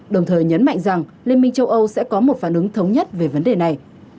đồng thời nhấn mạnh rằng liên minh châu âu sẽ có một phản ứng thống nhất về vấn đề này